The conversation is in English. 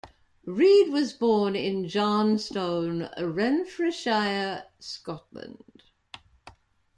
Reid was born in Johnstone, Renfrewshire, Scotland.